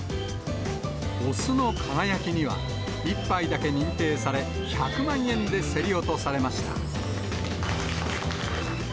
雄の輝には、１杯だけ認定され、１００万円で競り落とされました。